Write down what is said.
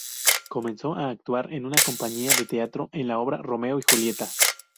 Comenzó a actuar en una compañía de teatro, en la obra "Romeo y Julieta".